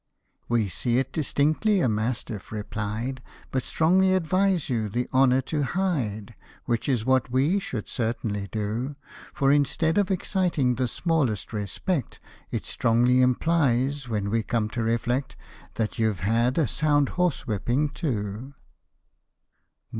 " We see it distinctly," a mastiff replied ;" But strongly advise you the honour to hide, Which is what we should certainly do ; For instead of exciting the smallest respect, It strongly implies, when we come to reflect, That you've had a sound horse whipping too."